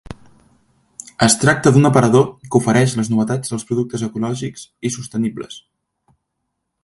Es tracte d’un aparador que ofereix les novetats dels productes ecològics i sostenibles.